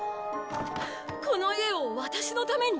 この家をワタシのために？